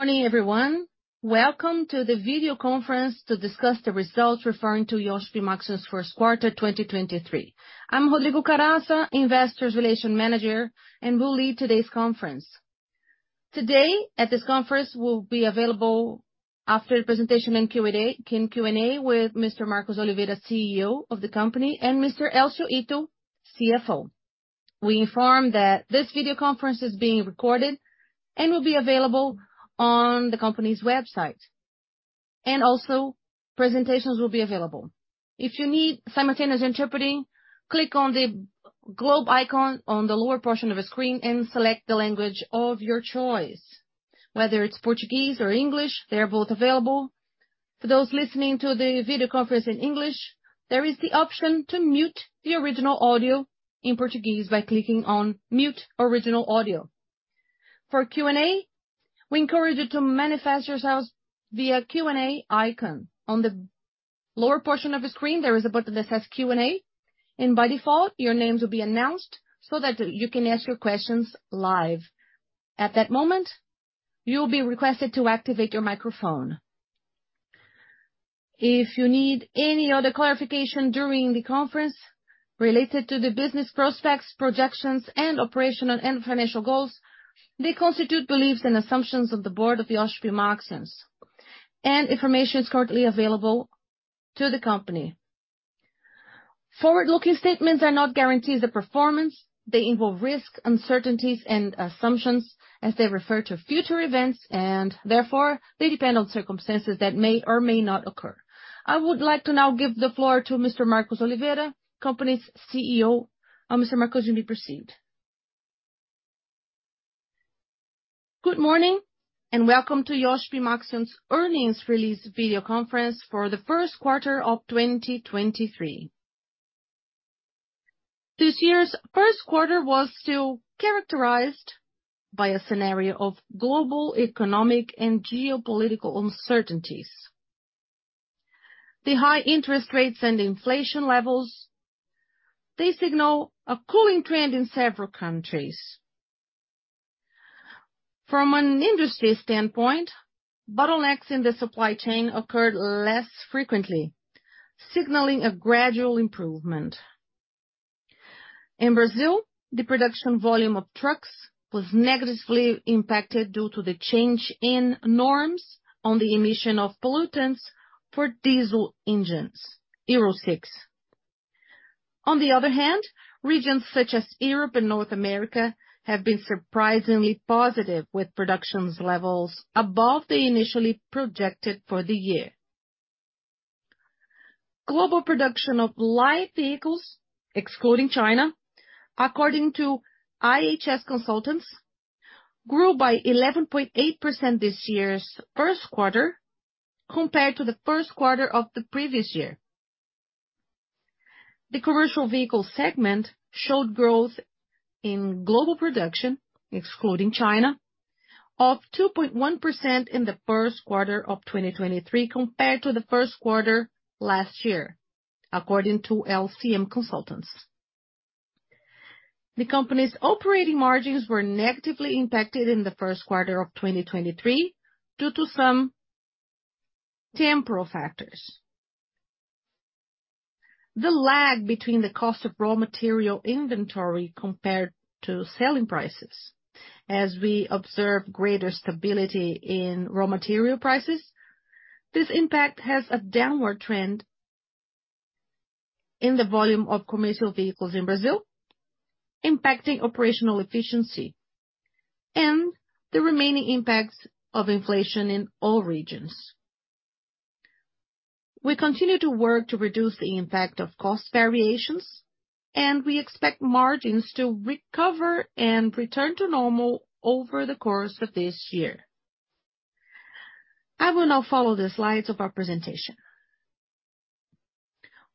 Morning, everyone. Welcome to the video conference to discuss the results referring to Iochpe-Maxion's first quarter 2023. I'm Rodrigo Caraça, Investor Relations Manager, and will lead today's conference. Today at this conference will be available after the presentation in Q&A with Mr. Marcos Oliveira, CEO of the company, and Mr. Elcio Ito, CFO. We inform that this video conference is being recorded and will be available on the company's website. Also, presentations will be available. If you need simultaneous interpreting, click on the globe icon on the lower portion of a screen and select the language of your choice, whether it's Portuguese or English, they are both available. For those listening to the video conference in English, there is the option to mute the original audio in Portuguese by clicking on mute original audio. For Q&A, we encourage you to manifest yourselves via Q&A icon. On the lower portion of the screen, there is a button that says Q&A. By default, your names will be announced so that you can ask your questions live. At that moment, you'll be requested to activate your microphone. If you need any other clarification during the conference related to the business prospects, projections, and operational and financial goals, they constitute beliefs and assumptions of the board of Iochpe-Maxion S.A. Information is currently available to the company. Forward-looking statements are not guarantees of performance. They involve risks, uncertainties, and assumptions as they refer to future events. Therefore, they depend on circumstances that may or may not occur. I would like to now give the floor to Mr. Marcos Oliveira, company's CEO. Mr. Marcos, you may proceed. Good morning, and welcome to Iochpe-Maxion's earnings release video conference for the first quarter of 2023. This year's first quarter was still characterized by a scenario of global economic and geopolitical uncertainties. The high interest rates and inflation levels, they signal a cooling trend in several countries. From an industry standpoint, bottlenecks in the supply chain occurred less frequently, signaling a gradual improvement. In Brazil, the production volume of trucks was negatively impacted due to the change in norms on the emission of pollutants for diesel engines, Euro VI. On the other hand, regions such as Europe and North America have been surprisingly positive with productions levels above the initially projected for the year. Global production of light vehicles, excluding China, according to IHS consultants, grew by 11.8% this year's first quarter compared to the first quarter of the previous year. The commercial vehicle segment showed growth in global production, excluding China, of 2.1% in the first quarter of 2023 compared to the 1st quarter last year, according to LMC consultants. The company's operating margins were negatively impacted in the first quarter of 2023 due to some temporal factors. The lag between the cost of raw material inventory compared to selling prices, as we observe greater stability in raw material prices. This impact has a downward trend in the volume of commercial vehicles in Brazil, impacting operational efficiency and the remaining impacts of inflation in all regions. We continue to work to reduce the impact of cost variations, and we expect margins to recover and return to normal over the course of this year. I will now follow the slides of our presentation.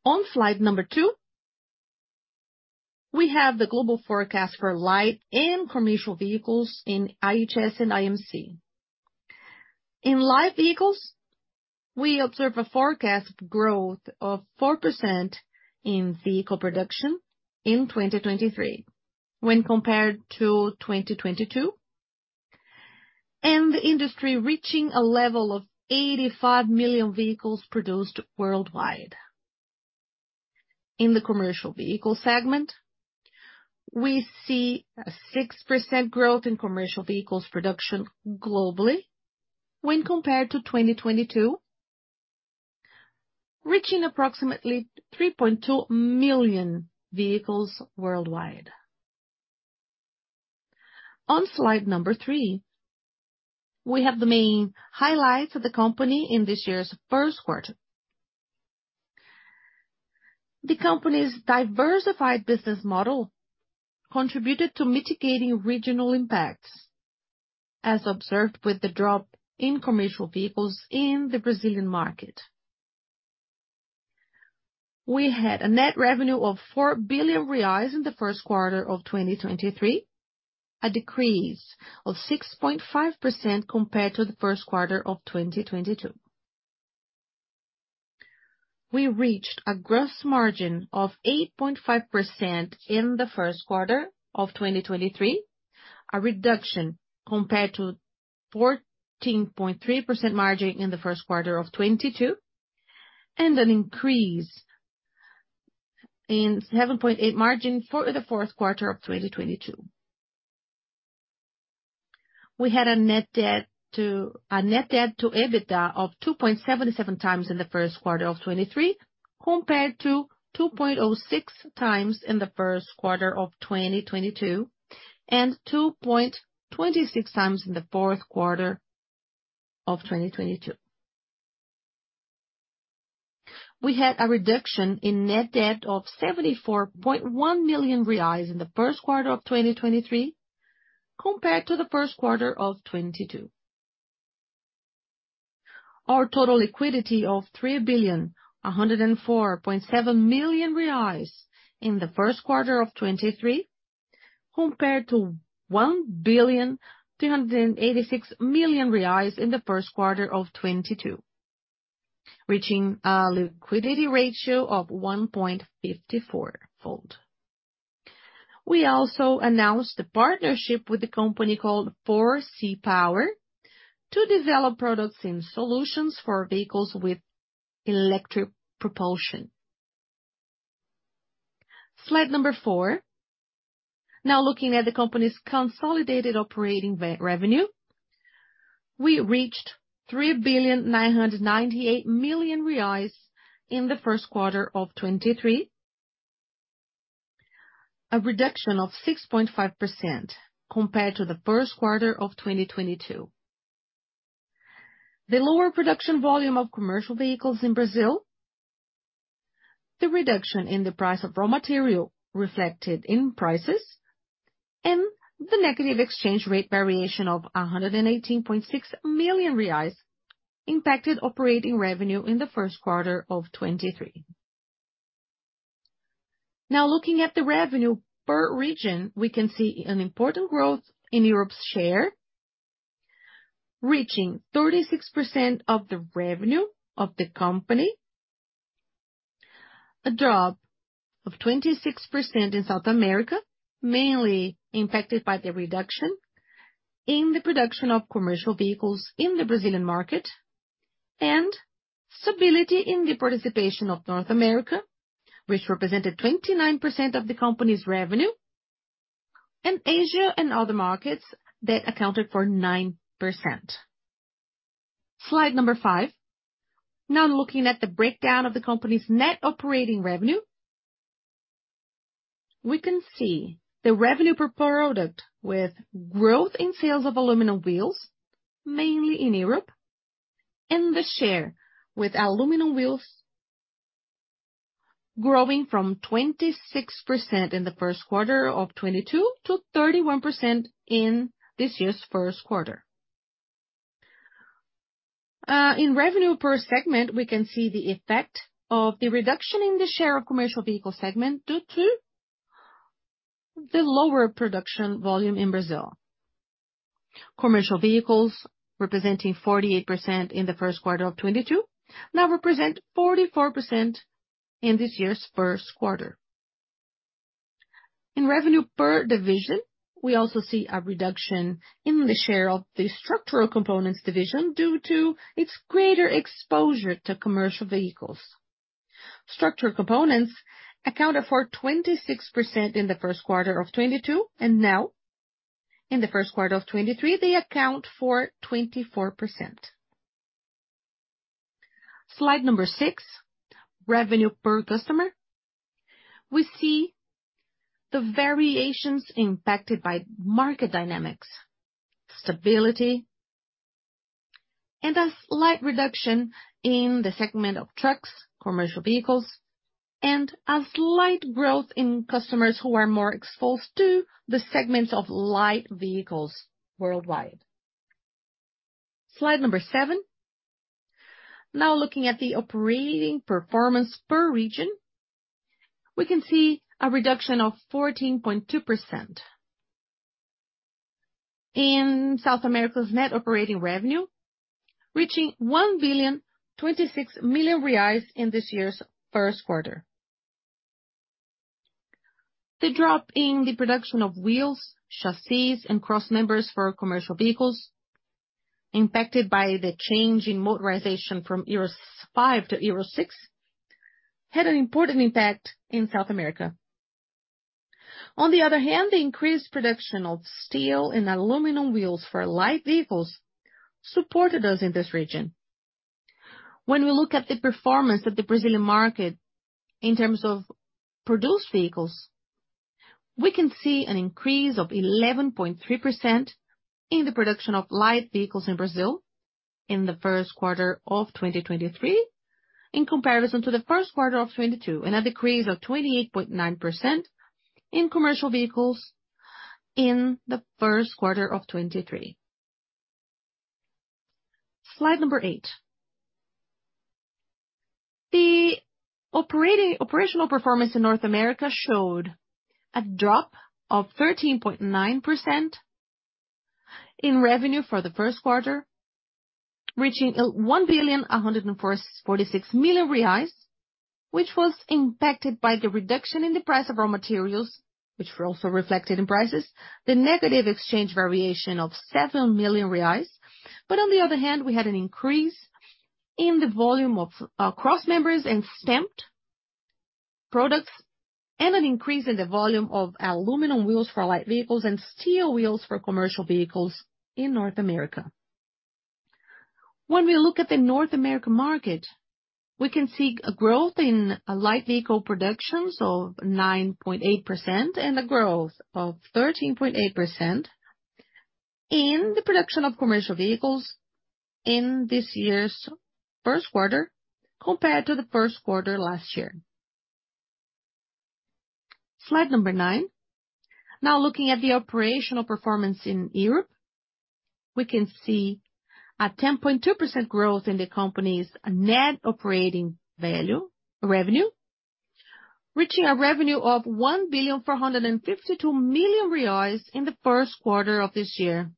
On slide number two, we have the global forecast for light and commercial vehicles in IHS and LMC. In light vehicles, we observe a forecast growth of 4% in vehicle production in 2023 when compared to 2022. The industry reaching a level of 85 million vehicles produced worldwide. In the commercial vehicle segment, we see a 6% growth in commercial vehicles production globally when compared to 2022, reaching approximately 3.2 million vehicles worldwide. On slide number three, we have the main highlights of the company in this year's first quarter. The company's diversified business model contributed to mitigating regional impacts, as observed with the drop in commercial vehicles in the Brazilian market. We had a net revenue of 4 billion reais in the first quarter of 2023, a decrease of 6.5% compared to the first quarter of 2022. We reached a gross margin of 8.5% in the first quarter of 2023, a reduction compared to 14.3% margin in the first quarter of 2022, and an increase in 7.8% margin for the fourth quarter of 2022. We had a net debt to EBITDA of 2.77x in the first quarter of 2023, compared to 2.06x in the first quarter of 2022, and 2.26x in the fourth quarter of 2022. We had a reduction in net debt of 74.1 million reais in the first quarter of 2023, compared to the first quarter of 2022. Our total liquidity of 3,104.7 million reais in the first quarter of 2023, compared to 1,286 million reais in the first quarter of 2022, reaching a liquidity ratio of 1.54-fold. We also announced a partnership with a company called Forsee Power to develop products and solutions for vehicles with electric propulsion. Slide number four. Looking at the company's consolidated operating revenue. We reached 3,998 million reais in the first quarter of 2023. A reduction of 6.5% compared to the first quarter of 2022. The lower production volume of commercial vehicles in Brazil, the reduction in the price of raw material reflected in prices, and the negative exchange rate variation of 118.6 million reais impacted operating revenue in the first quarter of 2023. Looking at the revenue per region, we can see an important growth in Europe's share, reaching 36% of the revenue of the company. A drop of 26% in South America, mainly impacted by the reduction in the production of commercial vehicles in the Brazilian market, and stability in the participation of North America, which represented 29% of the company's revenue, and Asia and other markets that accounted for 9%. Slide number five. Looking at the breakdown of the company's net operating revenue, we can see the revenue per product with growth in sales of aluminum wheels, mainly in Europe, and the share with aluminum wheels growing from 26% in the first quarter of 2022 to 31% in this year's first quarter. In revenue per segment, we can see the effect of the reduction in the share of commercial vehicle segment due to the lower production volume in Brazil. Commercial vehicles representing 48% in the first quarter of 2022 now represent 44% in this year's first quarter. In revenue per division, we also see a reduction in the share of the structural components division due to its greater exposure to commercial vehicles. Structural components accounted for 26% in the first quarter of 2022, and now in the first quarter of 2023, they account for 24%. Slide number six, revenue per customer. We see the variations impacted by market dynamics, stability, and a slight reduction in the segment of trucks, commercial vehicles, and a slight growth in customers who are more exposed to the segments of light vehicles worldwide. Slide number seven. Looking at the operating performance per region, we can see a reduction of 14.2% in South America's net operating revenue, reaching 1.026 billion in this year's first quarter. The drop in the production of wheels, chassis, and cross members for commercial vehicles impacted by the change in motorization from Euro 5 to Euro 6, had an important impact in South America. On the other hand, the increased production of steel and aluminum wheels for light vehicles supported us in this region. When we look at the performance of the Brazilian market in terms of produced vehicles, we can see an increase of 11.3% in the production of light vehicles in Brazil in the first quarter of 2023 in comparison to the first quarter of 2022, and a decrease of 28.9% in commercial vehicles in the first quarter of 2023. Slide number eight. The operational performance in North America showed a drop of 13.9% in revenue for the first quarter, reaching 1,146 million reais, which was impacted by the reduction in the price of raw materials, which were also reflected in prices, the negative exchange variation of 7 million reais. On the other hand, we had an increase in the volume of cross members and stamped products, and an increase in the volume of aluminum wheels for light vehicles and steel wheels for commercial vehicles in North America. When we look at the North American market, we can see a growth in light vehicle productions of 9.8%, and a growth of 13.8% in the production of commercial vehicles in this year's first quarter compared to the first quarter last year. Slide number nine. Looking at the operational performance in Europe, we can see a 10.2% growth in the company's net operating revenue, reaching a revenue of 1,452 million reais in the first quarter of this year.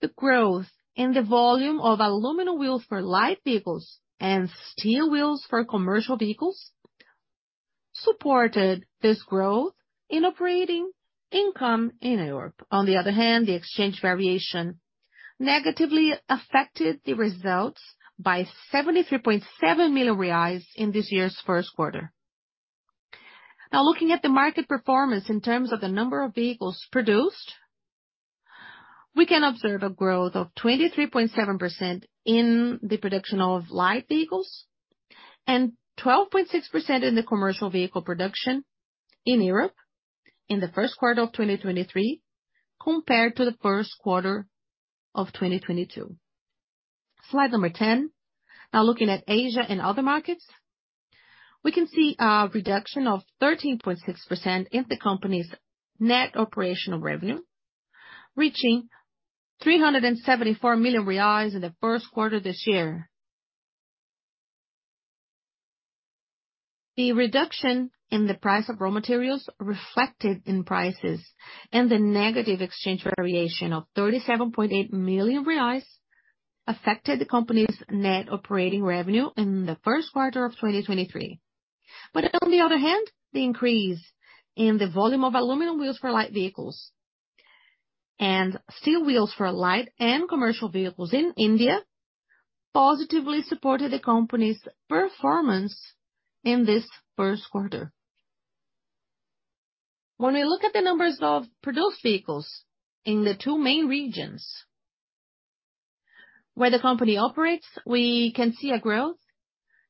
The growth in the volume of aluminum wheels for light vehicles and steel wheels for commercial vehicles supported this growth in operating income in Europe. The exchange variation negatively affected the results by 73.7 million reais in this year's first quarter. Looking at the market performance in terms of the number of vehicles produced, we can observe a growth of 23.7% in the production of light vehicles, and 12.6% in the commercial vehicle production in Europe in the first quarter of 2023 compared to the first quarter of 2022. Slide number 10. Looking at Asia and other markets, we can see a reduction of 13.6% in the company's net operational revenue, reaching 374 million reais in the first quarter this year. The reduction in the price of raw materials reflected in prices and the negative exchange variation of 37.8 million reais affected the company's net operating revenue in the first quarter of 2023. On the other hand, the increase in the volume of aluminum wheels for light vehicles and steel wheels for light and commercial vehicles in India positively supported the company's performance in this first quarter. We look at the numbers of produced vehicles in the two main regions where the company operates, we can see a growth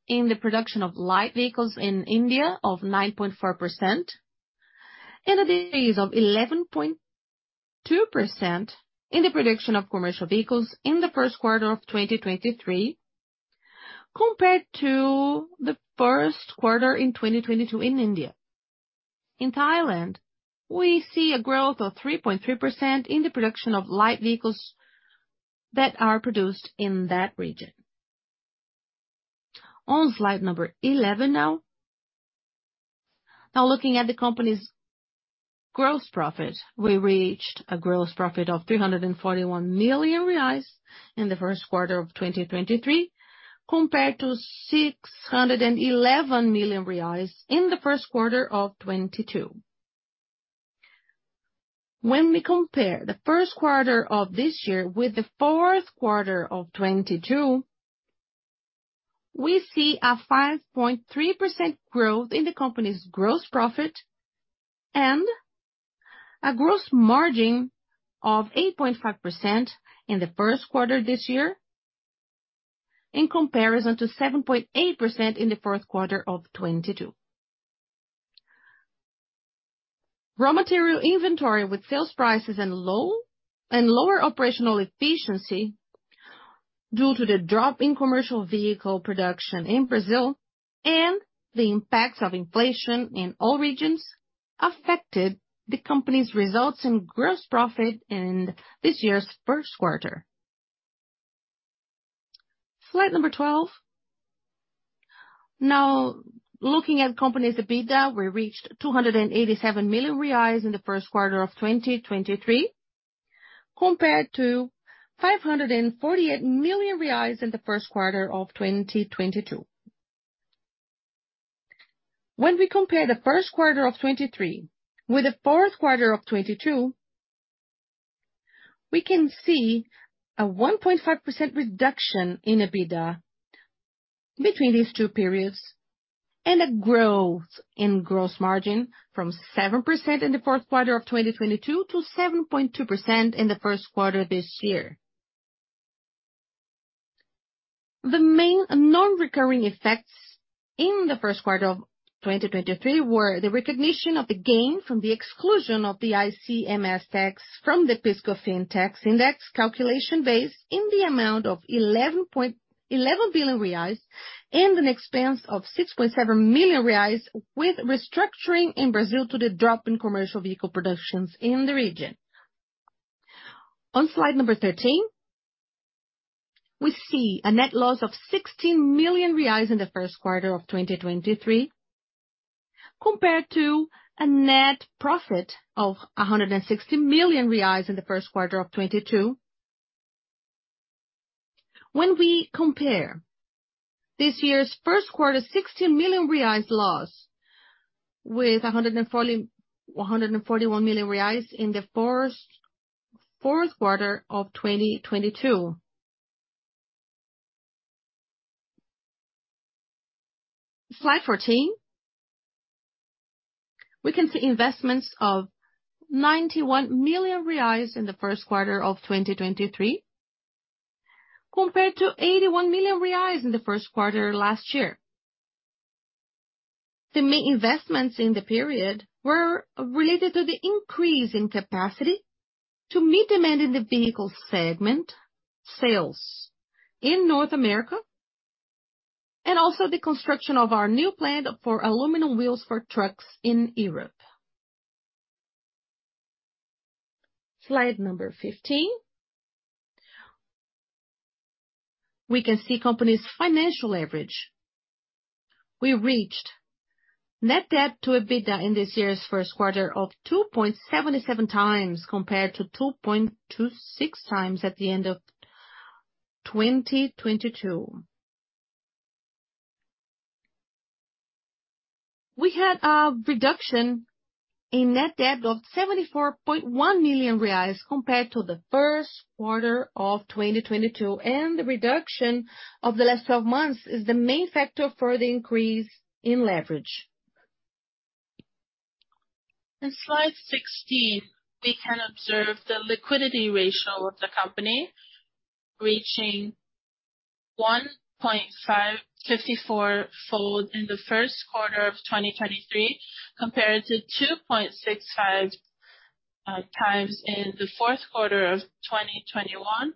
in the production of light vehicles in India of 9.4%, and a decrease of 11.2% in the production of commercial vehicles in the first quarter of 2023 compared to the first quarter in 2022 in India. In Thailand, we see a growth of 3.3% in the production of light vehicles that are produced in that region. On slide number 11 now. Now looking at the company's gross profit, we reached a gross profit of 341 million reais in the first quarter of 2023, compared to 611 million reais in the first quarter of 2022. When we compare the first quarter of this year with the fourth quarter of 2022, we see a 5.3% growth in the company's gross profit and a gross margin of 8.5% in the first quarter this year in comparison to 7.8% in the fourth quarter of 2022. Raw material inventory with sales prices and low, and lower operational efficiency due to the drop in commercial vehicle production in Brazil and the impacts of inflation in all regions affected the company's results and gross profit in this year's first quarter. Slide number 12. Now looking at company's EBITDA, we reached 287 million reais in the first quarter of 2023, compared to 548 million reais in the first quarter of 2022. When we compare the first quarter of 2023 with the fourth quarter of 2022, we can see a 1.5% reduction in EBITDA between these two periods, and a growth in gross margin from 7% in the fourth quarter of 2022 to 7.2% in the first quarter this year. The main non-recurring effects in the first quarter of 2023 were the recognition of the gain from the exclusion of the ICMS from the PIS/COFINS index calculation base in the amount of 11 billion reais and an expense of 6.7 million reais with restructuring in Brazil to the drop in commercial vehicle productions in the region. On slide 13, we see a net loss of 60 million reais in the first quarter of 2023, compared to a net profit of 160 million reais in the first quarter of 2022. When we compare this year's first quarter 60 million reais loss with 141 million reais in the fourth quarter of 2022. Slide 14. We can see investments of 91 million reais in the first quarter of 2023, compared to 81 million reais in the first quarter last year. The main investments in the period were related to the increase in capacity to meet demand in the vehicle segment, sales in North America, and also the construction of our new plant for aluminum wheels for trucks in Europe. Slide number 15. We can see company's financial leverage. We reached net debt to EBITDA in this year's first quarter of 2.77x compared to 2.26x at the end of 2022. We had a reduction in net debt of 74.1 million reais compared to the first quarter of 2022, and the reduction of the last 12 months is the main factor for the increase in leverage. In slide 16, we can observe the liquidity ratio of the company reaching 1.554 fold in the first quarter of 2023, compared to 2.65x in the fourth quarter of 2021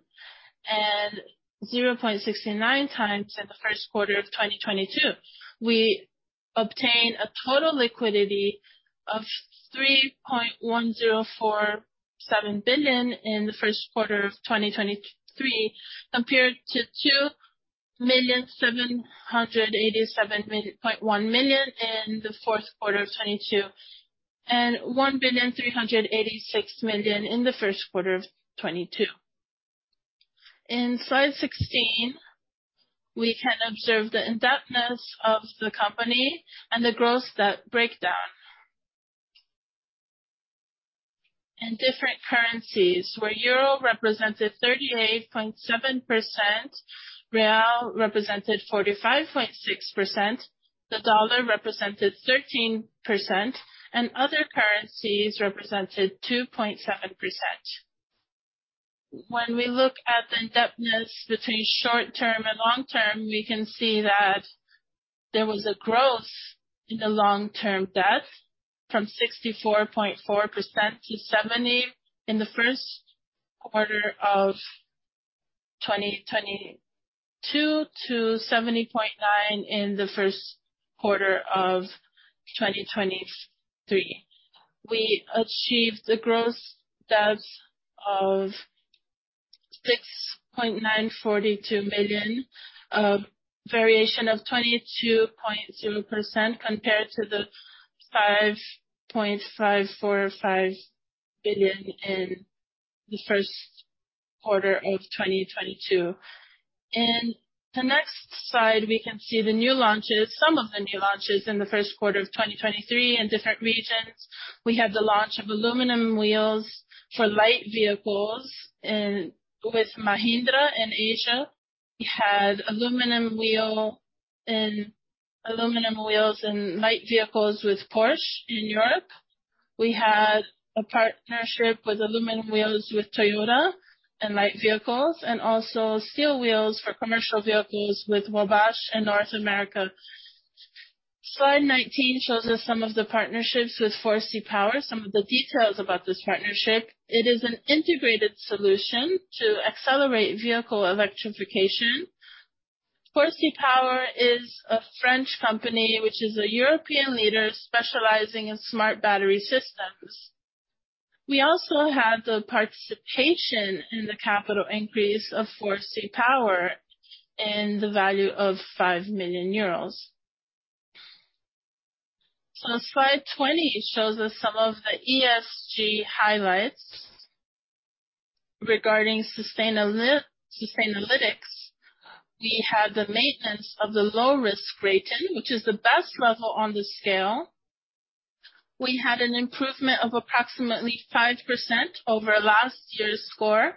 and 0.69x in the first quarter of 2022. We obtained a total liquidity of 3.1047 billion in the first quarter of 2023, compared to BRL 2.787.1 billion in the fourth quarter of 2022, and 1.386 billion in the first quarter of 2022. In slide 16, we can observe the indebtedness of the company and the gross debt breakdown. In different currencies, where EUR represented 38.7%, BRL represented 45.6%, USD represented 13%, and other currencies represented 2.7%. When we look at the indebtedness between short-term and long-term, we can see that there was a growth in the long-term debt from 64.4% to 70% in the first quarter of 2022 to 70.9% in the first quarter of 2023. We achieved the gross debt of 6,942 million, variation of 22.0% compared to the 5,545 million in the first quarter of 2022. In the next slide, we can see some of the new launches in the first quarter of 2023 in different regions. We had the launch of aluminum wheels for light vehicles with Mahindra in Asia. We had Aluminum Wheels in light vehicles with Porsche in Europe. We had a partnership with Aluminum Wheels with Toyota in light vehicles, and also Steel Wheels for commercial vehicles with Wabash in North America. Slide 19 shows us some of the partnerships with Forsee Power, some of the details about this partnership. It is an integrated solution to accelerate vehicle electrification. Forsee Power is a French company, which is a European leader specializing in smart battery systems. We also have the participation in the capital increase of Forsee Power in the value of 5 million euros. Slide 20 shows us some of the ESG highlights regarding Sustainalytics. We had the maintenance of the low-risk rating, which is the best level on the scale. We had an improvement of approximately 5% over last year's score.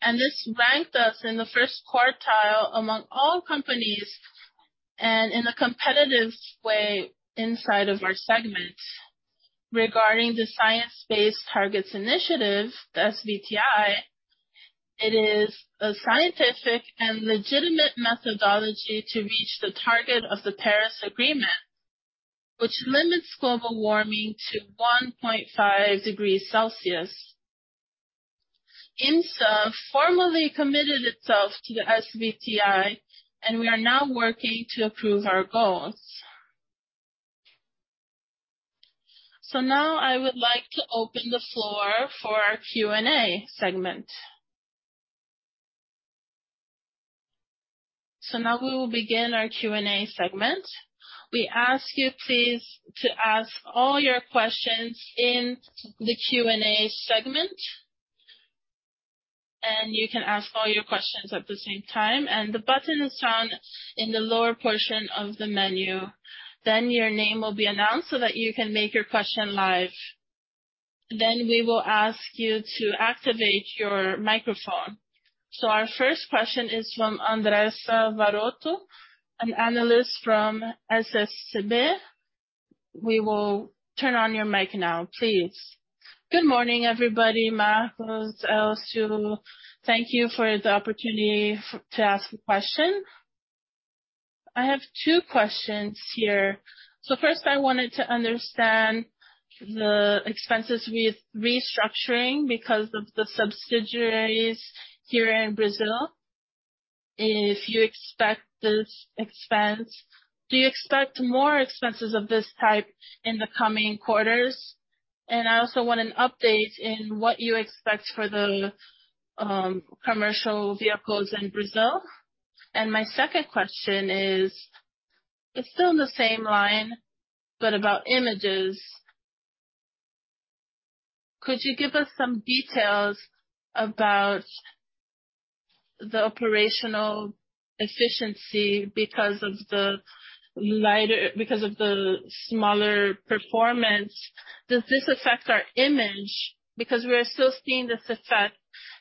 This ranked us in the first quartile among all companies and in a competitive way inside of our segments. Regarding the Science Based Targets Initiative (SBTI), it is a scientific and legitimate methodology to reach the target of the Paris Agreement, which limits global warming to 1.5 degrees Celsius. IMSA formally committed itself to the SBTI. We are now working to approve our goals. Now I would like to open the floor for our Q&A segment. Now we will begin our Q&A segment. We ask you please to ask all your questions in the Q&A segment. You can ask all your questions at the same time, and the button is found in the lower portion of the menu. Your name will be announced so that you can make your question live. We will ask you to activate your microphone. Our first question is from Andressa Varotto, an analyst from UBS BB. We will turn on your mic now, please. Good morning, everybody. Marcos, Elcio, thank you for the opportunity to ask a question. I have two questions here. First, I wanted to understand the expenses with restructuring because of the subsidiaries here in Brazil. If you expect this expense, do you expect more expenses of this type in the coming quarters? I also want an update in what you expect for the commercial vehicles in Brazil. My second question is. It's still in the same line, but about images. Could you give us some details about the operational efficiency because of the lighter because of the smaller performance, does this affect our image? We are still seeing this effect.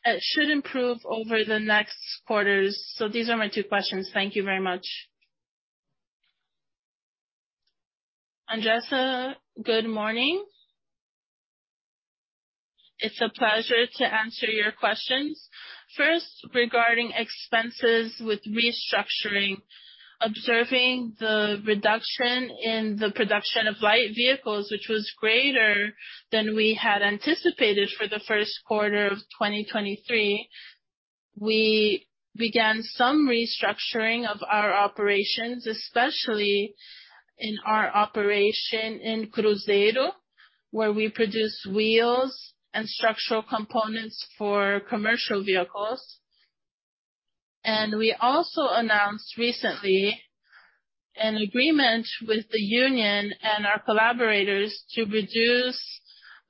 It should improve over the next quarters. These are my two questions. Thank you very much. Andressa, good morning. It's a pleasure to answer your questions. First, regarding expenses with restructuring. Observing the reduction in the production of light vehicles, which was greater than we had anticipated for the first quarter of 2023, we began some restructuring of our operations, especially in our operation in Cruzeiro, where we produce wheels and structural components for commercial vehicles. We also announced recently an agreement with the union and our collaborators to reduce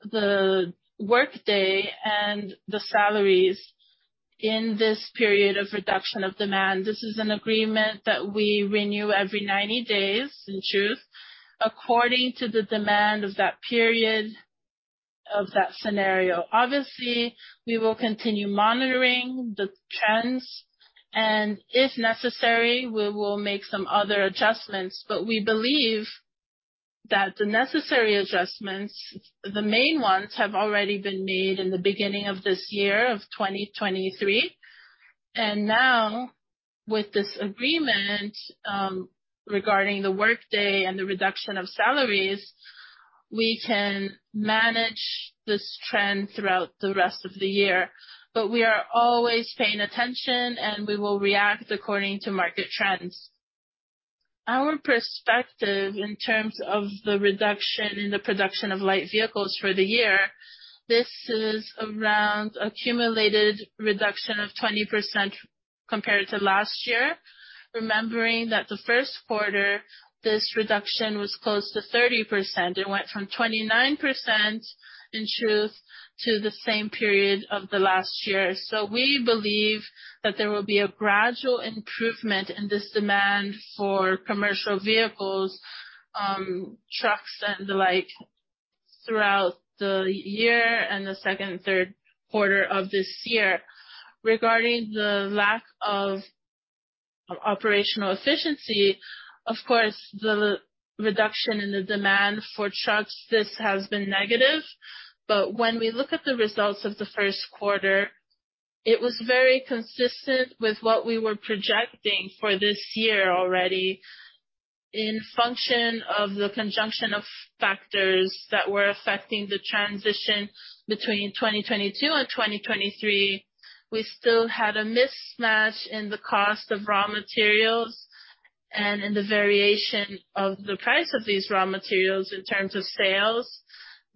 the workday and the salaries in this period of reduction of demand. This is an agreement that we renew every 90 days, in truth, according to the demand of that period, of that scenario. Obviously, we will continue monitoring the trends, and if necessary, we will make some other adjustments. We believe that the necessary adjustments, the main ones, have already been made in the beginning of this year of 2023. Now, with this agreement, regarding the workday and the reduction of salaries, we can manage this trend throughout the rest of the year. We are always paying attention, and we will react according to market trends. Our perspective in terms of the reduction in the production of light vehicles for the year, this is around accumulated reduction of 20% compared to last year. Remembering that the first quarter, this reduction was close to 30%. It went from 29% in truth to the same period of the last year. We believe that there will be a gradual improvement in this demand for commercial vehicles, trucks and the like throughout the year and the second and third quarter of this year. Regarding the lack of operational efficiency, of course, the reduction in the demand for trucks, this has been negative. When we look at the results of the first quarter, it was very consistent with what we were projecting for this year already. In function of the conjunction of factors that were affecting the transition between 2022 and 2023, we still had a mismatch in the cost of raw materials and in the variation of the price of these raw materials in terms of sales.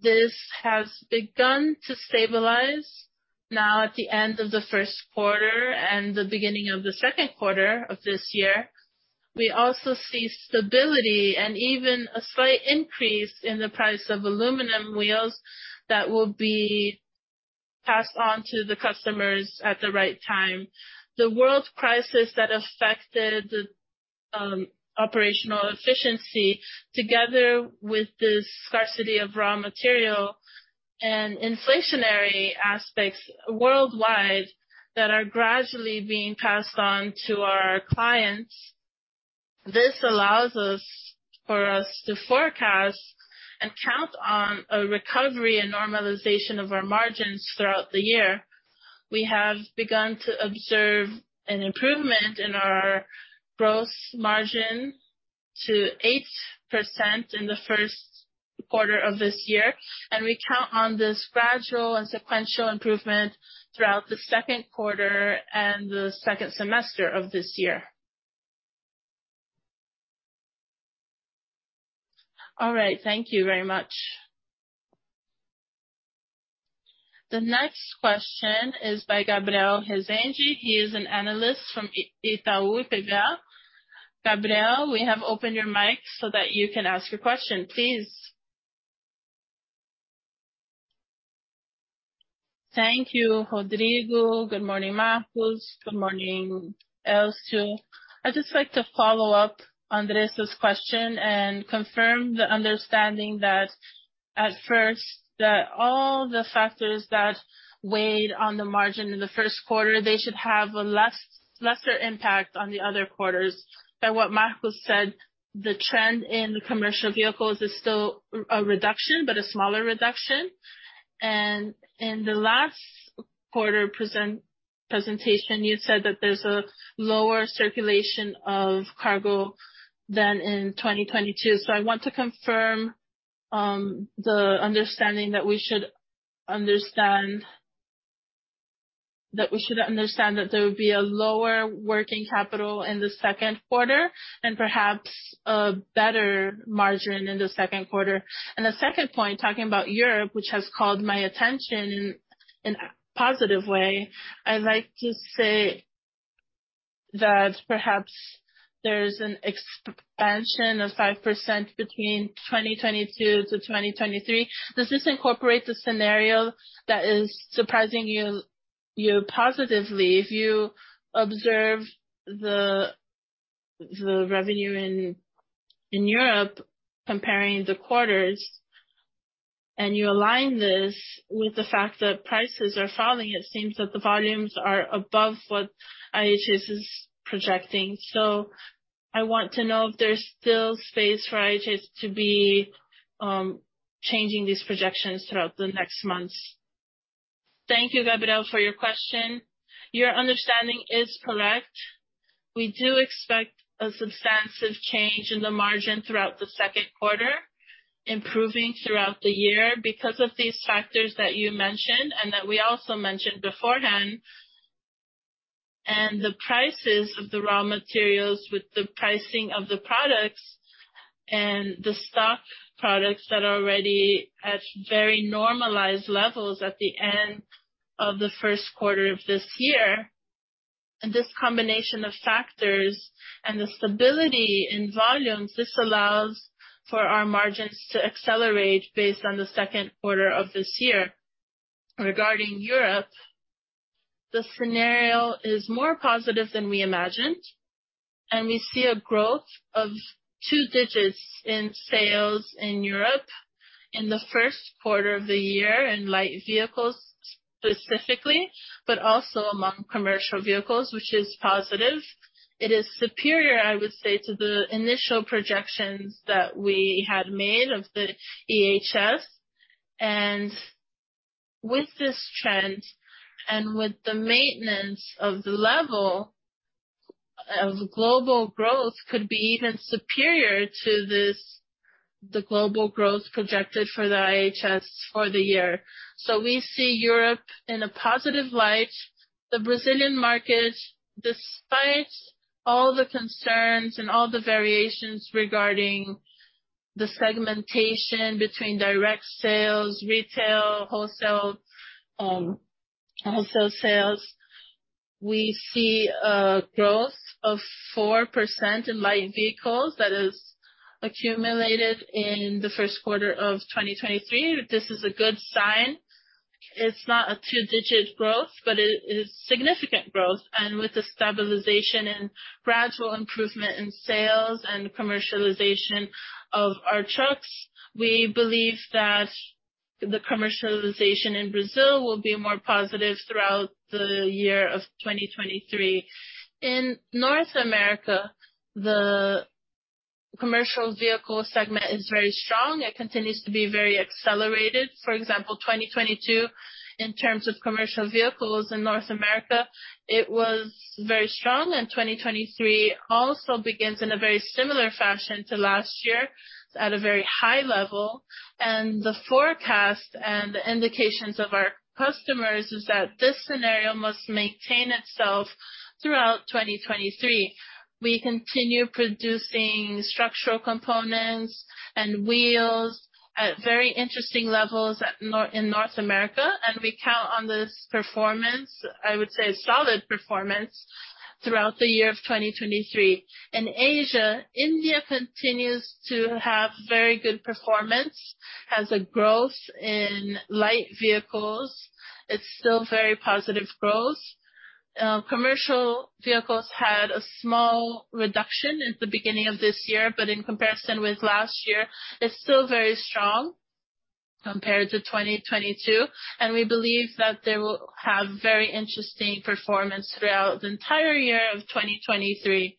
This has begun to stabilize now at the end of the first quarter and the beginning of the second quarter of this year. We also see stability and even a slight increase in the price of aluminum wheels that will be passed on to the customers at the right time. The world crisis that affected the operational efficiency, together with this scarcity of raw material and inflationary aspects worldwide that are gradually being passed on to our clients. This allows us to forecast and count on a recovery and normalization of our margins throughout the year. We have begun to observe an improvement in our gross margin to 8% in the first quarter of this year, and we count on this gradual and sequential improvement throughout the second quarter and the second semester of this year. All right. Thank you very much. The next question is by Gabriel Rezende. He is an analyst from Itaú BBA. Gabriel, we have opened your mic so that you can ask your question, please. Thank you, Rodrigo. Good morning, Marcos. Good morning, Elcio. I'd just like to follow up Andres' question and confirm the understanding that at first, that all the factors that weighed on the margin in the 1st quarter, they should have a lesser impact on the other quarters. By what Marcos said, the trend in the commercial vehicles is still a reduction, but a smaller reduction. In the last quarter presentation, you said that there's a lower circulation of cargo than in 2022. I want to confirm the understanding that we should understand that there would be a lower working capital in the second quarter and perhaps a better margin in the second quarter. The second point, talking about Europe, which has called my attention in a positive way. I'd like to say that perhaps there's an expansion of 5% between 2022 to 2023. Does this incorporate the scenario that is surprising you positively? If you observe the revenue in Europe comparing the quarters, you align this with the fact that prices are falling, it seems that the volumes are above what IHS is projecting. I want to know if there's still space for IHS to be changing these projections throughout the next months. Thank you, Gabriel, for your question. Your understanding is correct. We do expect a substantive change in the margin throughout the second quarter, improving throughout the year because of these factors that you mentioned and that we also mentioned beforehand. The prices of the raw materials with the pricing of the products and the stock products that are already at very normalized levels at the end of the first quarter of this year. This combination of factors and the stability in volumes, this allows for our margins to accelerate based on the second quarter of this year. Regarding Europe, the scenario is more positive than we imagined, and we see a growth of two digits in sales in Europe in the first quarter of the year, in light vehicles specifically, but also among commercial vehicles, which is positive. It is superior, I would say, to the initial projections that we had made of the IHS. With this trend and with the maintenance of the level of global growth could be even superior to the global growth projected for the IHS for the year. We see Europe in a positive light. The Brazilian market, despite all the concerns and all the variations regarding the segmentation between direct sales, retail, wholesale sales, we see a growth of 4% in light vehicles that is accumulated in the first quarter of 2023. This is a good sign. It's not a two-digit growth, but it is significant growth. With the stabilization and gradual improvement in sales and commercialization of our trucks, we believe that the commercialization in Brazil will be more positive throughout the year of 2023. In North America, the commercial vehicle segment is very strong. It continues to be very accelerated. For example, 2022, in terms of commercial vehicles in North America, it was very strong, and 2023 also begins in a very similar fashion to last year at a very high level. The forecast and the indications of our customers is that this scenario must maintain itself throughout 2023. We continue producing structural components and wheels at North America. We count on this performance, I would say solid performance, throughout the year of 2023. In Asia, India continues to have very good performance, has a growth in light vehicles. It's still very positive growth. Commercial vehicles had a small reduction at the beginning of this year, in comparison with last year, it's still very strong compared to 2022. We believe that they will have very interesting performance throughout the entire year of 2023.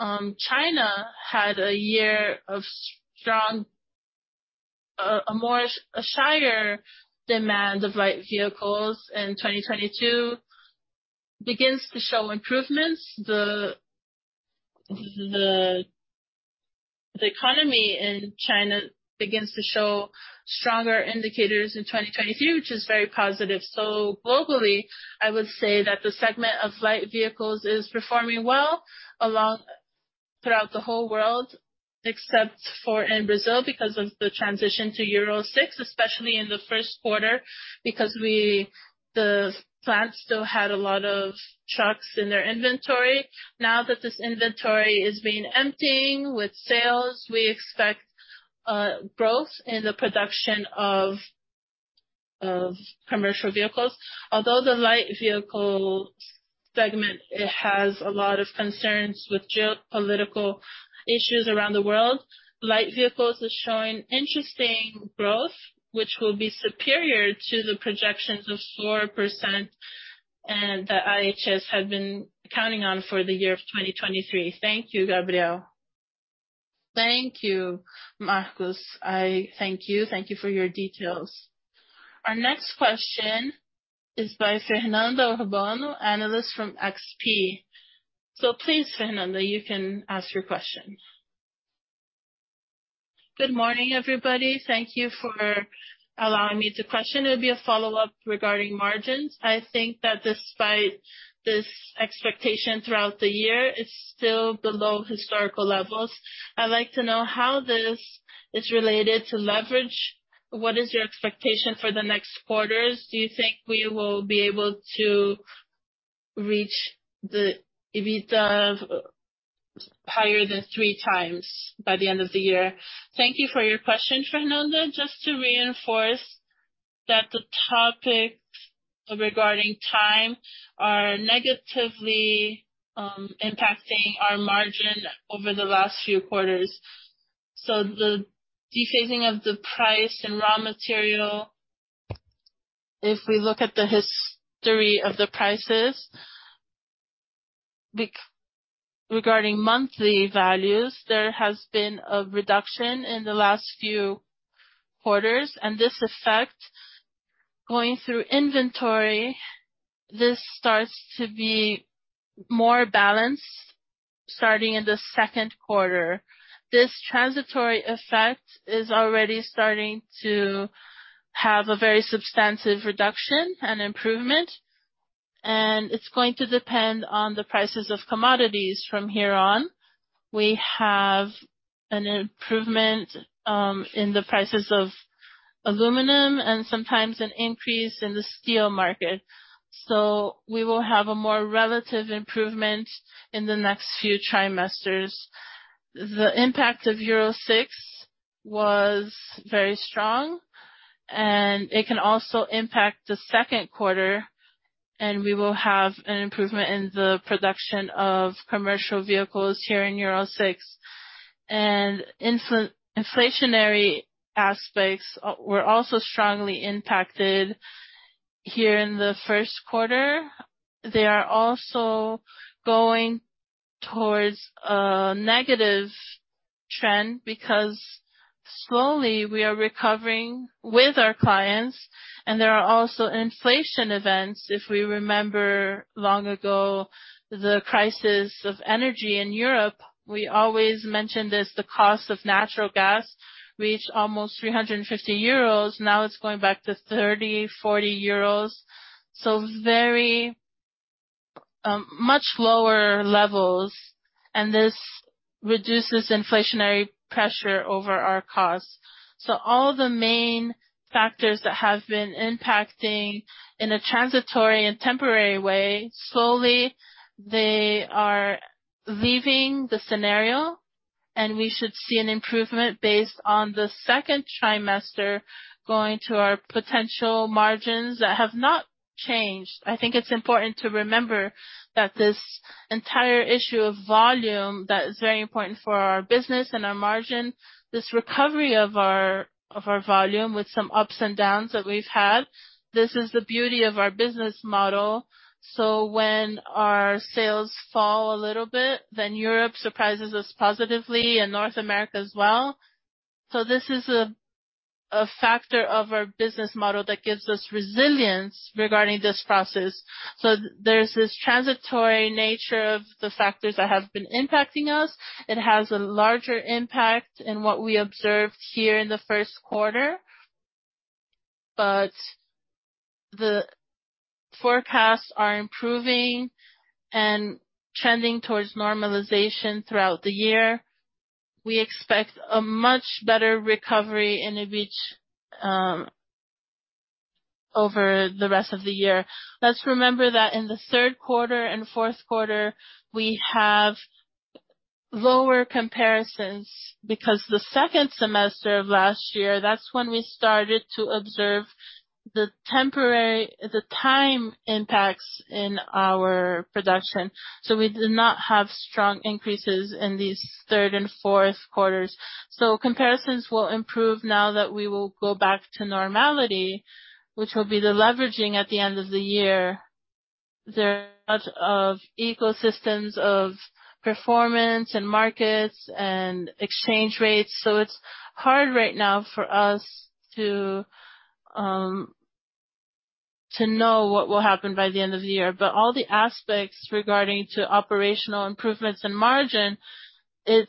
China had a year of strong... a more shier demand of light vehicles. 2022 begins to show improvements. The economy in China begins to show stronger indicators in 2023, which is very positive. Globally, I would say that the segment of light vehicles is performing well along throughout the whole world, except for in Brazil because of the transition to Euro 6, especially in the 1st quarter, because the plant still had a lot of trucks in their inventory. Now that this inventory is being emptying with sales, we expect growth in the production of commercial vehicles. Although the light vehicle segment has a lot of concerns with geopolitical issues around the world, light vehicles are showing interesting growth, which will be superior to the projections of 4% and that IHS had been counting on for the year of 2023. Thank you, Gabriel. Thank you, Marcos. I thank you. Thank you for your details. Our next question is by Fernanda Urbano, analyst from XP. Please, Fernanda, you can ask your question. Good morning, everybody. Thank you for allowing me to question. It'll be a follow-up regarding margins. I think that despite this expectation throughout the year, it's still below historical levels. I'd like to know how this is related to leverage. What is your expectation for the next quarters? Do you think we will be able to reach the EBITDA higher than 3x by the end of the year? Thank you for your question, Fernanda. Just to reinforce that the topics regarding time are negatively impacting our margin over the last few quarters. The dephasing of the price and raw material, if we look at the history of the prices regarding monthly values, there has been a reduction in the last few quarters, and this effect going through inventory, this starts to be more balanced starting in the second quarter. This transitory effect is already starting to have a very substantive reduction and improvement, and it's going to depend on the prices of commodities from here on. We have an improvement in the prices of aluminum and sometimes an increase in the steel market. We will have a more relative improvement in the next few trimesters. The impact of Euro 6 was very strong, and it can also impact the second quarter, and we will have an improvement in the production of commercial vehicles here in Euro 6. Inflationary aspects were also strongly impacted here in the first quarter. They are also going towards a negative trend because slowly we are recovering with our clients, and there are also inflation events. If we remember long ago, the crisis of energy in Europe, we always mentioned this, the cost of natural gas reached almost 350 euros. Now it's going back to 30-40 euros. Very much lower levels, and this reduces inflationary pressure over our costs. All the main factors that have been impacting in a transitory and temporary way, slowly they are leaving the scenario, and we should see an improvement based on the second trimester going to our potential margins that have not changed. I think it's important to remember that this entire issue of volume that is very important for our business and our margin, this recovery of our, of our volume with some ups and downs that we've had, this is the beauty of our business model. When our sales fall a little bit, then Europe surprises us positively and North America as well. This is a factor of our business model that gives us resilience regarding this process. There's this transitory nature of the factors that have been impacting us. It has a larger impact in what we observed here in the first quarter, but the forecasts are improving and trending towards normalization throughout the year. We expect a much better recovery in EBITDA over the rest of the year. Let's remember that in the third quarter and fourth quarter, we have lower comparisons because the second semester of last year, that's when we started to observe the time impacts in our production. We did not have strong increases in these third and fourth quarters. Comparisons will improve now that we will go back to normality, which will be the leveraging at the end of the year. There are a lot of ecosystems of performance and markets and exchange rates. It's hard right now for us to know what will happen by the end of the year. All the aspects regarding to operational improvements and margin, it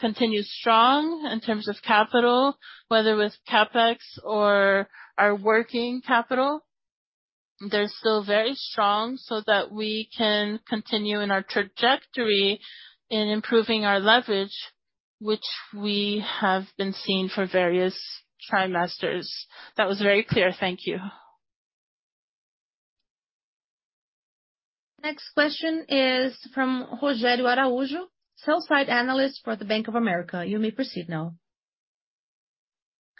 continues strong in terms of capital, whether with CapEx or our working capital. They're still very strong so that we can continue in our trajectory in improving our leverage, which we have been seeing for various trimesters. That was very clear. Thank you. Next question is from Rogério Araújo, sell-side analyst for the Bank of America. You may proceed now.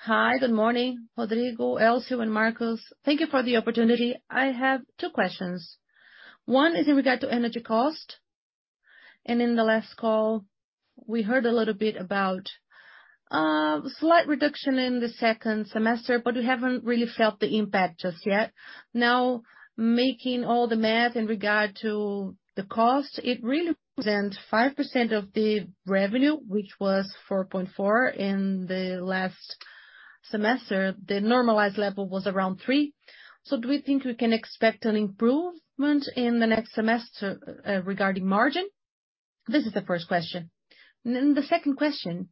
Hi, good morning, Rodrigo, Elcio and Marcos. Thank you for the opportunity. I have two questions. One is in regard to energy cost. In the last call, we heard a little bit about a slight reduction in the second semester, but we haven't really felt the impact just yet. Making all the math in regard to the cost, it really presents 5% of the revenue, which was 4.4% in the last semester. The normalized level was around 3%. Do we think we can expect an improvement in the next semester regarding margin? This is the first question. The second question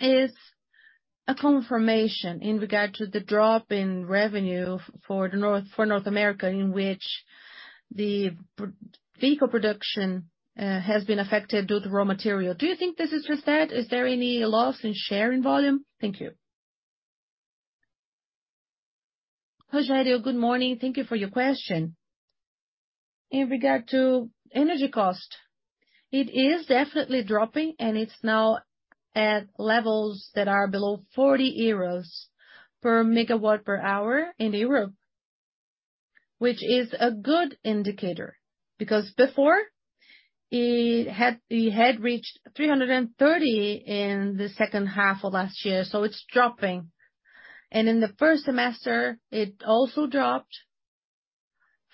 is a confirmation in regard to the drop in revenue for North America, in which the pro-vehicle production has been affected due to raw material. Do you think this is reset? Is there any loss in share and volume? Thank you. Rogério, good morning. Thank you for your question. In regard to energy cost, it is definitely dropping, and it's now at levels that are below 40 euros per megawatt-hour in Europe. It is a good indicator, because before it had reached 330 in the second half of last year, so it's dropping. In the first semester it also dropped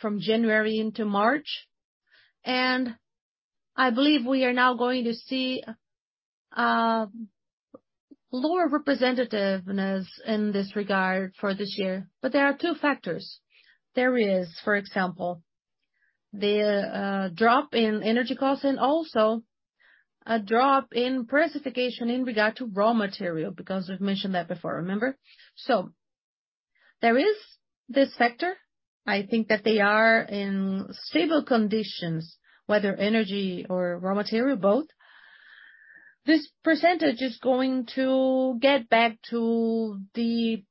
from January into March. I believe we are now going to see lower representativeness in this regard for this year. There are two factors. There is, for example, the drop in energy costs and also a drop in participation in regard to raw material, because we've mentioned that before, remember? There is this factor. I think that they are in stable conditions, whether energy or raw material, both. This percentage is going to get back to the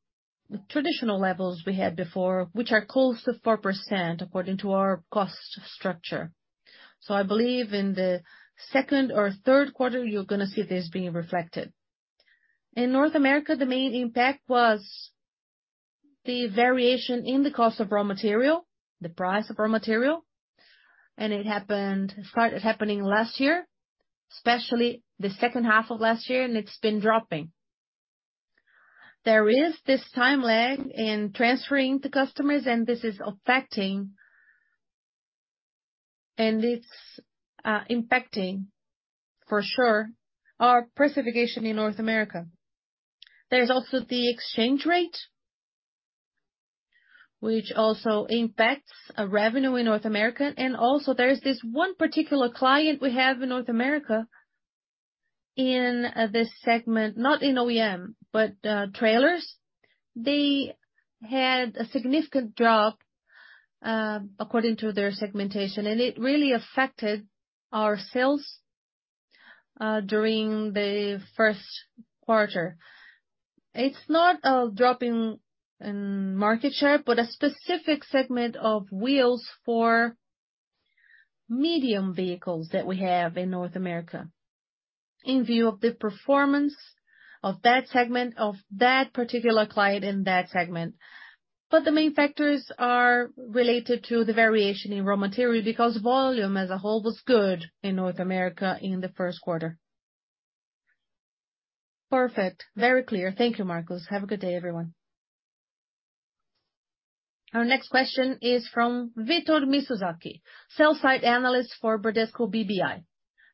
traditional levels we had before, which are close to 4% according to our cost structure. I believe in the second or third quarter you're gonna see this being reflected. In North America, the main impact was the variation in the cost of raw material, the price of raw material, it started happening last year, especially the second half of last year, and it's been dropping. There is this time lag in transferring to customers and this is affecting, and it's impacting for sure our participation in North America. There's also the exchange rate, which also impacts revenue in North America. Also there's this one particular client we have in North America in this segment, not in OEM, but trailers. They had a significant drop according to their segmentation, and it really affected our sales during the first quarter. It's not a drop in market share, but a specific segment of wheels for medium vehicles that we have in North America. In view of the performance of that segment, of that particular client in that segment. The main factors are related to the variation in raw material, because volume as a whole was good in North America in the first quarter. Perfect. Very clear. Thank you, Marcos. Have a good day, everyone. Our next question is from Victor Mizusaki, sell-side analyst for Bradesco BBI.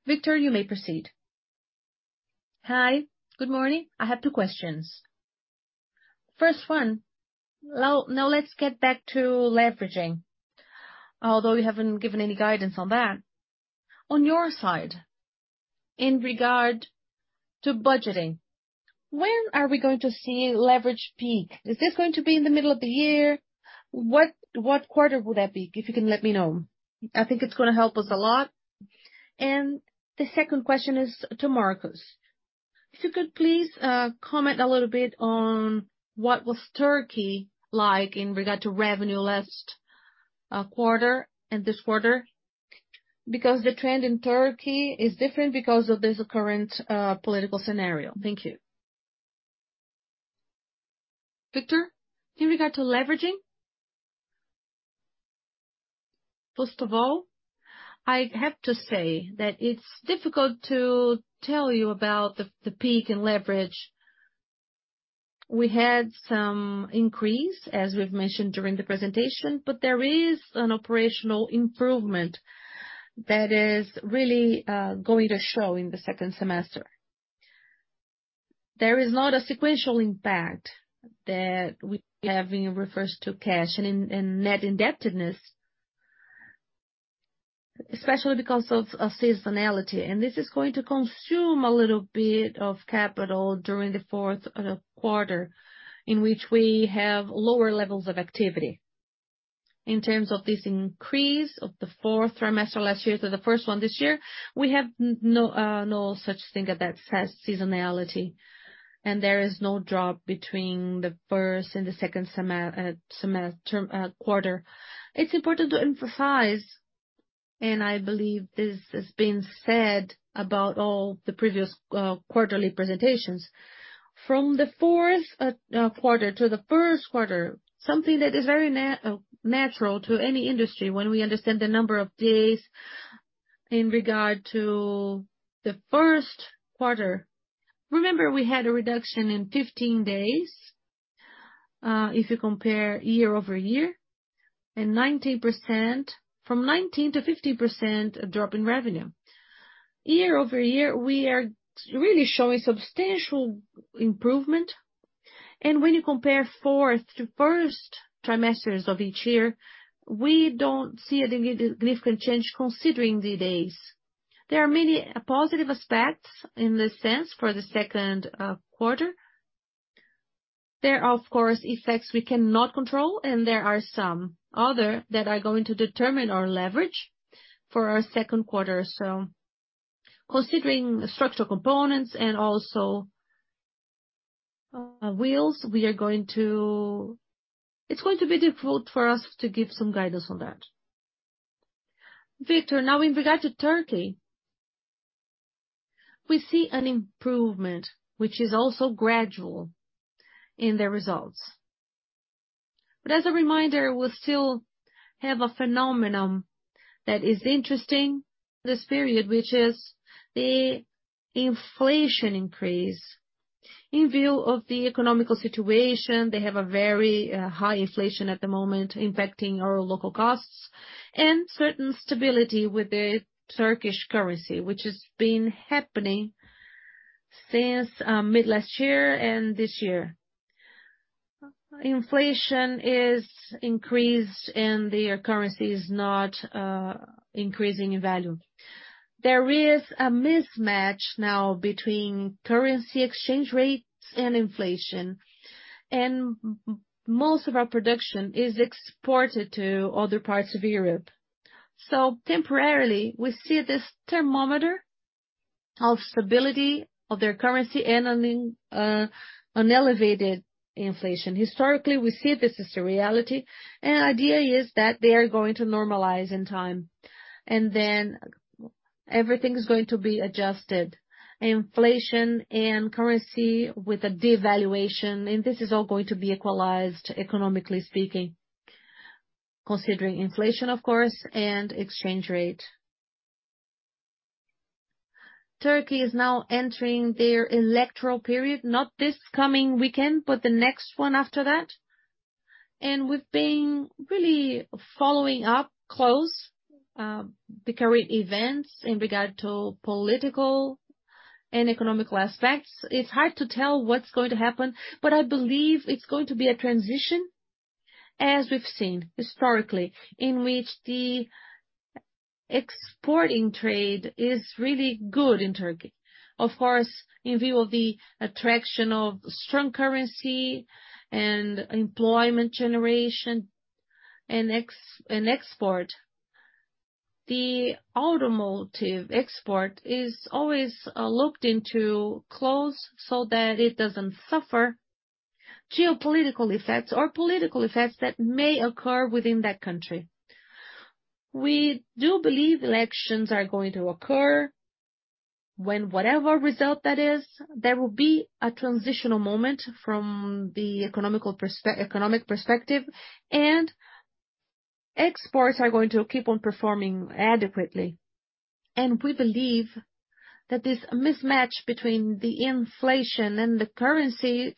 Victor, you may proceed. Hi, good morning. I have two questions. First one, now let's get back to leveraging. Although you haven't given any guidance on that. On your side, in regard to budgeting, when are we going to see leverage peak? Is this going to be in the middle of the year? What quarter would that be? If you can let me know. I think it's gonna help us a lot. The second question is to Marcos. If you could please comment a little bit on what was Turkey like in regard to revenue last quarter and this quarter. The trend in Turkey is different because of this current political scenario. Thank you. Victor, in regard to leveraging. First of all, I have to say that it's difficult to tell you about the peak in leverage. We had some increase, as we've mentioned during the presentation, but there is an operational improvement that is really going to show in the second semester. There is not a sequential impact that we have in refers to cash and net indebtedness, especially because of seasonality. This is going to consume a little bit of capital during the fourth quarter, in which we have lower levels of activity. In terms of this increase of the fourth trimester last year to the first one this year, we have no such thing as that seasonality and there is no drop between the first and the second quarter. It's important to emphasize, and I believe this has been said about all the previous quarterly presentations. From the fourth quarter to the first quarter, something that is very natural to any industry when we understand the number of days in regard to the first quarter. Remember we had a reduction in 15 days if you compare year over year, and from 19% to 15% drop in revenue. Year over year, we are really showing substantial improvement. When you compare fourth to first trimesters of each year, we don't see a significant change considering the days. There are many positive aspects in this sense for the second quarter. There are of course, effects we cannot control, and there are some other that are going to determine our leverage for our second quarter. Considering structural components and also wheels, it's going to be difficult for us to give some guidance on that. Victor, now in regard to Turkey, we see an improvement, which is also gradual in the results. As a reminder, we still have a phenomenon that is interesting this period, which is the inflation increase. In view of the economical situation, they have a very high inflation at the moment, impacting our local costs and certain stability with the Turkish currency, which has been happening since mid-last year and this year. Inflation is increased and their currency is not increasing in value. There is a mismatch now between currency exchange rates and inflation. Most of our production is exported to other parts of Europe. Temporarily, we see this thermometer of stability of their currency and an elevated inflation. Historically, we see this is the reality. Idea is that they are going to normalize in time, then everything is going to be adjusted. Inflation and currency with a devaluation. This is all going to be equalized, economically speaking, considering inflation of course, exchange rate. Turkey is now entering their electoral period, not this coming weekend, the next one after that. We've been really following up close the current events in regard to political and economical aspects. It's hard to tell what's going to happen, but I believe it's going to be a transition, as we've seen historically, in which the exporting trade is really good in Turkey. Of course, in view of the attraction of strong currency and employment generation and export. The automotive export is always looked into close so that it doesn't suffer geopolitical effects or political effects that may occur within that country. We do believe elections are going to occur when whatever result that is, there will be a transitional moment from the economic perspective, and exports are going to keep on performing adequately. We believe that this mismatch between the inflation and the currency,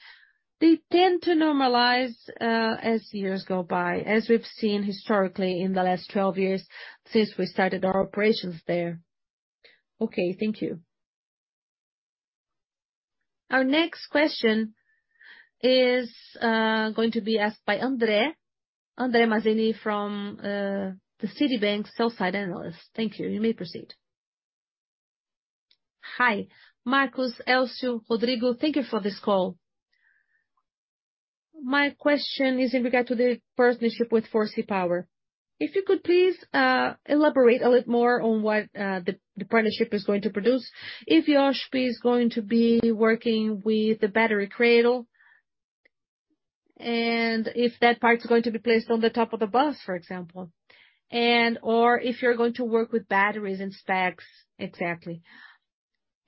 they tend to normalize as years go by, as we've seen historically in the last 12 years since we started our operations there. Okay, thank you. Our next question is going to be asked by Andre. Andre Mazini from the Citi sell-side analyst. Thank you. You may proceed. Hi, Marcos, Elcio, Rodrigo. Thank you for this call. My question is in regard to the partnership with Forsee Power. If you could please elaborate a little more on what the partnership is going to produce. If your Iochpe-Maxion is going to be working with the battery cradle and if that part is going to be placed on the top of the bus, for example. If you're going to work with batteries and stacks exactly.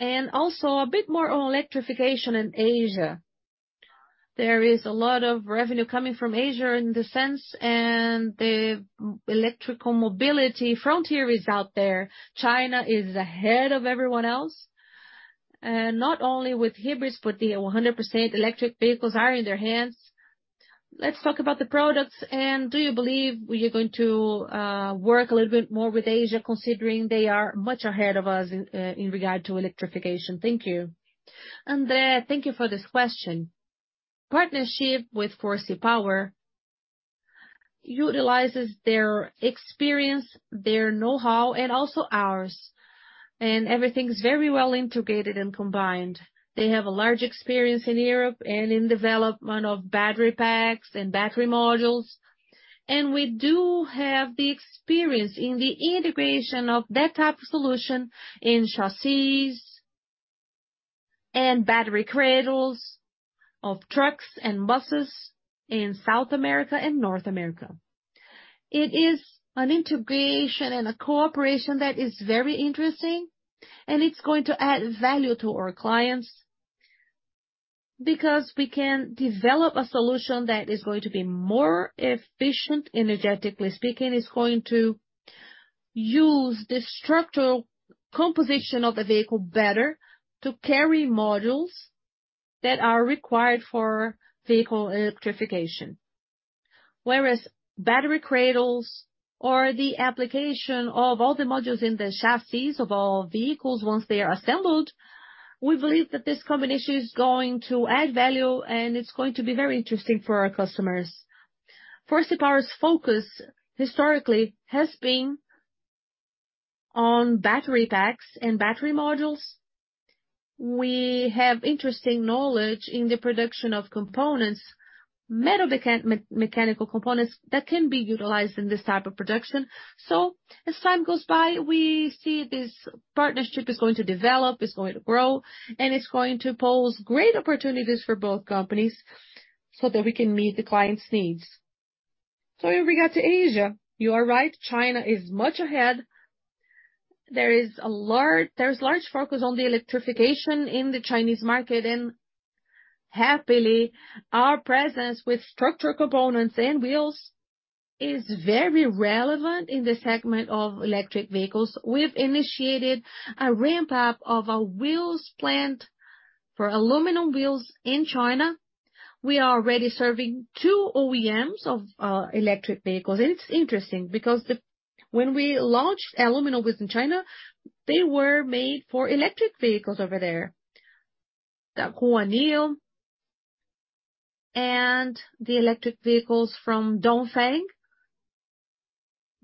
Also a bit more on electrification in Asia. There is a lot of revenue coming from Asia in this sense, and the electrical mobility frontier is out there. China is ahead of everyone else, and not only with hybrids, but the 100% electric vehicles are in their hands. Let's talk about the products. Do you believe you're going to work a little bit more with Asia, considering they are much ahead of us in regard to electrification? Thank you. Andre, thank you for this question. Partnership with Forsee Power utilizes their experience, their know-how, and also ours, and everything's very well integrated and combined. They have a large experience in Europe and in development of battery packs and battery modules. We do have the experience in the integration of that type of solution in chassis and battery cradles of trucks and buses in South America and North America. It is an integration and a cooperation that is very interesting, and it's going to add value to our clients because we can develop a solution that is going to be more efficient energetically speaking. It's going to use the structural composition of the vehicle better to carry modules that are required for vehicle electrification. Whereas battery cradles or the application of all the modules in the chassis of all vehicles once they are assembled, we believe that this combination is going to add value, and it's going to be very interesting for our customers. Forsee Power's focus historically has been on battery packs and battery modules. We have interesting knowledge in the production of components, meta-mechanical components that can be utilized in this type of production. As time goes by, we see this partnership is going to develop, it's going to grow, and it's going to pose great opportunities for both companies so that we can meet the clients' needs. In regard to Asia, you are right, China is much ahead. There's large focus on the electrification in the Chinese market, and happily, our presence with structural components and wheels is very relevant in the segment of electric vehicles. We've initiated a ramp-up of our wheels plant for Aluminum Wheels in China. We are already serving two OEMs of electric vehicles. It's interesting because when we launched Aluminum Wheels in China, they were made for electric vehicles over there. The Voyah and the electric vehicles from Dongfeng,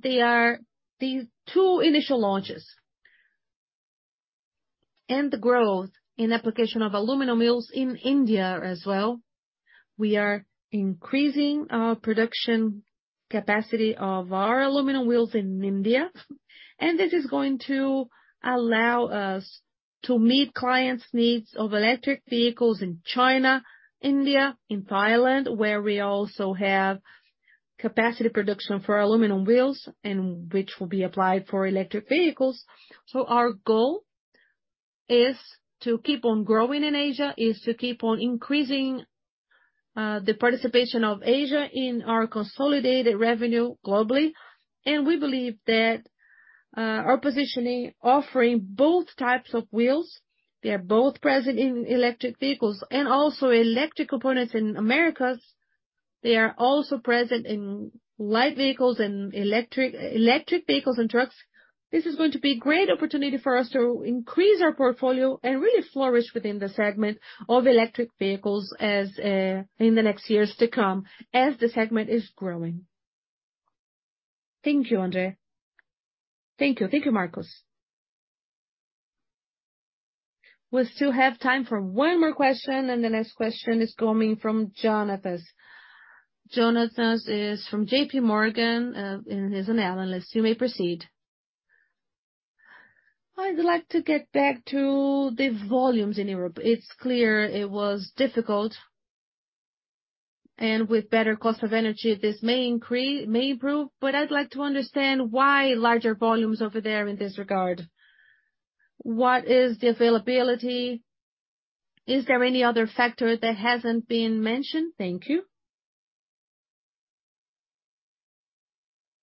they are the two initial launches. The growth in application of Aluminum Wheels in India as well. We are increasing our production capacity of our aluminum wheels in India. This is going to allow us to meet clients' needs of electric vehicles in China, India, in Thailand, where we also have capacity production for aluminum wheels, and which will be applied for electric vehicles. Our goal is to keep on growing in Asia, is to keep on increasing the participation of Asia in our consolidated revenue globally. We believe that our positioning, offering both types of wheels, they are both present in electric vehicles and also electric components in Americas. They are also present in light vehicles and electric vehicles and trucks. This is going to be great opportunity for us to increase our portfolio and really flourish within the segment of electric vehicles as in the next years to come, as the segment is growing. Thank you, Andre. Thank you. Thank you, Marcos. We still have time for one more question. The next question is coming from Jonathan. Jonathan is from JPMorgan, and he's an analyst. You may proceed. I'd like to get back to the volumes in Europe. It's clear it was difficult. With better cost of energy, this may improve. I'd like to understand why larger volumes over there in this regard. What is the availability? Is there any other factor that hasn't been mentioned? Thank you.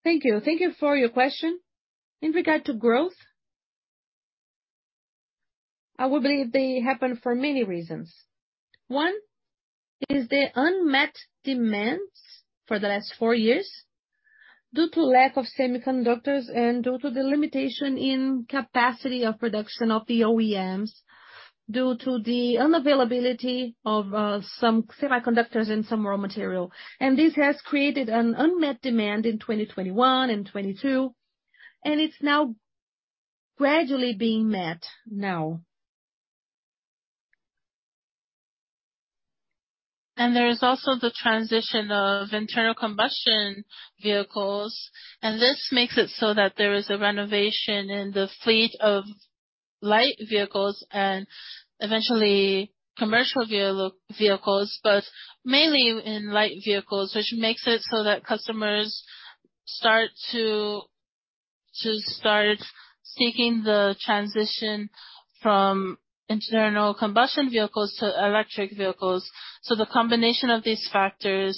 Thank you. Thank you for your question. In regard to growth, I would believe they happen for many reasons. One is the unmet demands for the last four years due to lack of semiconductors and due to the limitation in capacity of production of the OEMs, due to the unavailability of some semiconductors and some raw material. This has created an unmet demand in 2021 and 2022, and it's now gradually being met now. There is also the transition of internal combustion vehicles, and this makes it so that there is a renovation in the fleet of light vehicles and eventually commercial vehicles, but mainly in light vehicles, which makes it so that customers start seeking the transition from internal combustion vehicles to electric vehicles. The combination of these factors,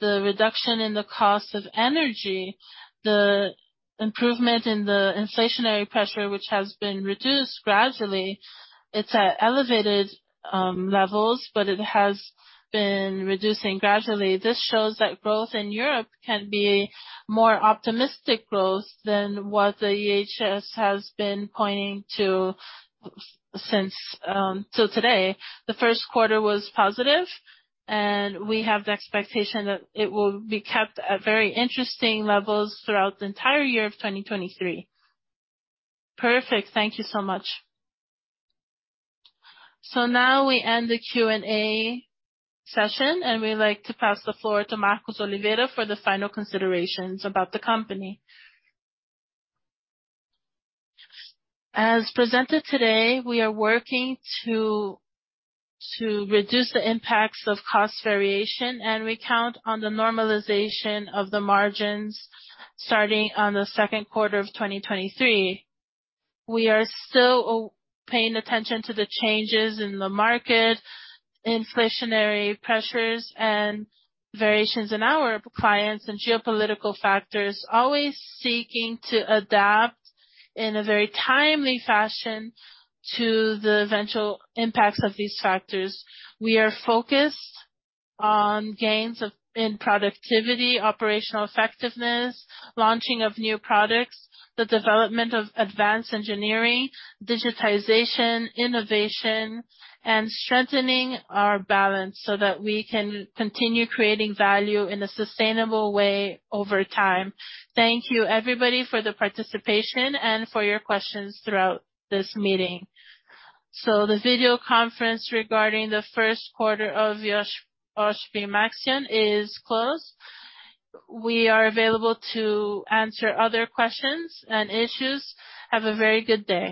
the reduction in the cost of energy. Improvement in the inflationary pressure, which has been reduced gradually. It's at elevated levels, but it has been reducing gradually. This shows that growth in Europe can be more optimistic growth than what the IHS has been pointing to since till today. The first quarter was positive, and we have the expectation that it will be kept at very interesting levels throughout the entire year of 2023. Perfect. Thank you so much. Now we end the Q&A session, and we'd like to pass the floor to Marcos Oliveira for the final considerations about the company. As presented today, we are working to reduce the impacts of cost variation, and we count on the normalization of the margins starting on the second quarter of 2023. We are still paying attention to the changes in the market, inflationary pressures and variations in our clients and geopolitical factors, always seeking to adapt in a very timely fashion to the eventual impacts of these factors. We are focused on gains in productivity, operational effectiveness, launching of new products, the development of advanced engineering, digitization, innovation, and strengthening our balance so that we can continue creating value in a sustainable way over time. Thank you, everybody, for the participation and for your questions throughout this meeting. The video conference regarding the first quarter of Iochpe-Maxion is closed. We are available to answer other questions and issues. Have a very good day.